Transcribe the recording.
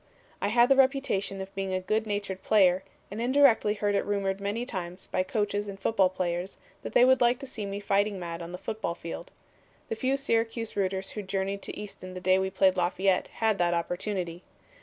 "I had the reputation of being a good natured player, and indirectly heard it rumored many times by coaches and football players that they would like to see me fighting mad on the football field. The few Syracuse rooters who journeyed to Easton the day we played Lafayette had that opportunity.